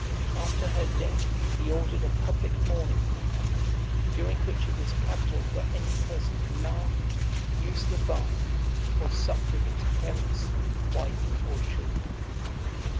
After her death, he ordered a public mourning for her; during which it was capital for any person to laugh, use the bath, or sup with his parents, wife, or children.